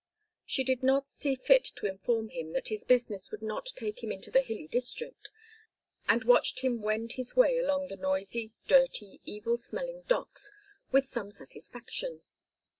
She did not see fit to inform him that his business would not take him into the hilly district, and watched him wend his way along the noisy, dirty, evil smelling docks with some satisfaction.